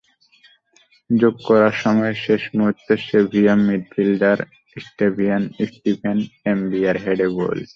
যোগ করা সময়ের শেষ মুহূর্তে সেভিয়া মিডফিল্ডার স্টিভেন এমবিয়ার হেডে গোল।